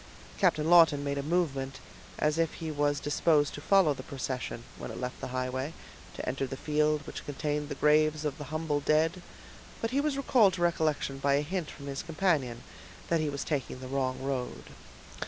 Captain Lawton made a movement as if he was disposed to follow the procession, when it left the highway, to enter the field which contained the graves of the humble dead, but he was recalled to recollection by a hint from his companion that he was taking the wrong road.